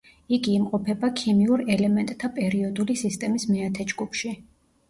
იგი იმყოფება ქიმიურ ელემენტთა პერიოდული სისტემის მეათე ჯგუფში.